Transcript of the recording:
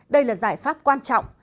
đây là giải pháp quan trọng